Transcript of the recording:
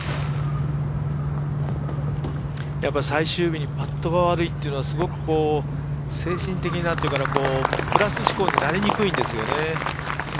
やっぱ最終日にパットが悪いというのはすごく精神的に、プラス思考になりにくいんですよね。